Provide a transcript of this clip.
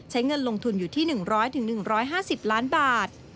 เงินลงทุนอยู่ที่๑๐๐๑๕๐ล้านบาท